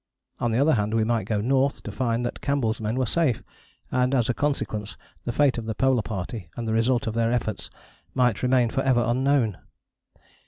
On the other hand we might go north, to find that Campbell's men were safe, and as a consequence the fate of the Polar Party and the result of their efforts might remain for ever unknown.